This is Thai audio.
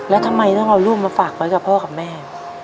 แล้วทำไมต้องเอาลูกมาฝากไว้กับพ่อกับแม่